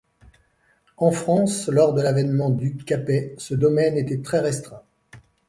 En France, lors de l'avènement d'Hugues Capet, ce domaine était très restreint.